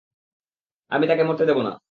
আমি তাকে মরতে দেব না!